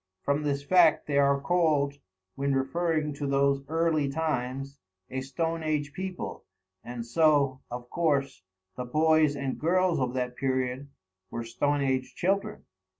From this fact they are called, when referring to those early times, a stone age people, and so, of course, the boys and girls of that period were stone age children.